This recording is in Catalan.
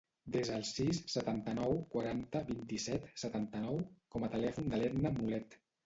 Desa el sis, setanta-nou, quaranta, vint-i-set, setanta-nou com a telèfon de l'Edna Mulet.